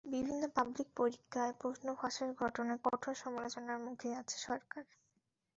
বিভিন্ন পাবলিক পরীক্ষায় প্রশ্নপত্র ফাঁসের ঘটনায় কঠোর সমালোচনার মুখে আছে সরকার।